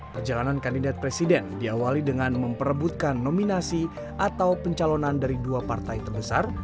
perjalanan kandidat presiden diawali dengan memperebutkan nominasi atau pencalonan dari dua partai terbesar